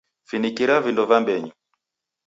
Finikira vindo va mbenyu.